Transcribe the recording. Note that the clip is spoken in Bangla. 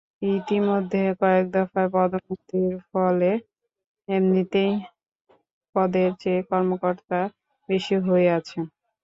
ইতিমধ্যে কয়েক দফায় পদোন্নতির ফলে এমনিতেই পদের চেয়ে কর্মকর্তা বেশি হয়ে আছেন।